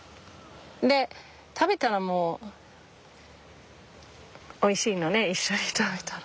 で食べたらもうおいしいのね一緒に食べたら。